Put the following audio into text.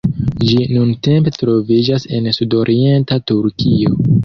Ĝi nuntempe troviĝas en sudorienta Turkio.